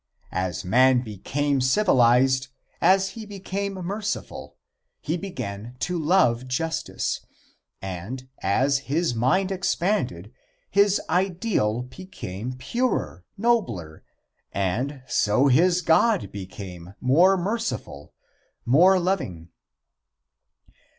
As man became civilized, as he became merciful, he began to love justice, and as his mind expanded his ideal became purer, nobler, and so his God became more merciful, more loving.